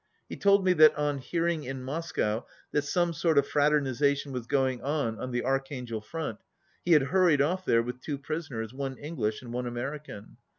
He told me that on hearing in Moscow that some sort of fraternization was going on on the Archangel front, he had hurried off there with two prisoners, one English and one American.